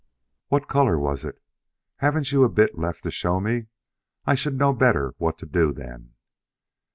"What color was it? Haven't you a bit left to show me? I should know better what to do, then."